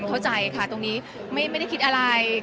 เข้าใจค่ะตรงนี้ไม่ได้คิดอะไร